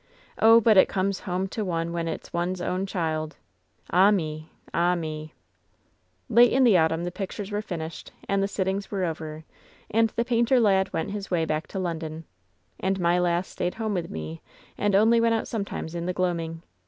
Oh, but it comes home to one when it's one's ain child. Ah me I ah me! LOVE'S BITTEREST CUP 279 *T^ate in the autumn the pictures were finished and the sitting were over, and the painter lad went his way back to London. And my lass stayed hame with me and only went out sometimes in the gloaming.